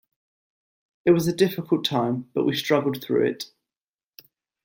It was a difficult time, but we struggled through it.